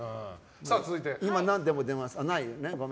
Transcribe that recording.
今、何でも出ます。